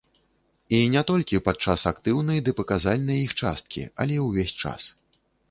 І не толькі падчас актыўнай ды паказальнай іх часткі, але ўвесь час.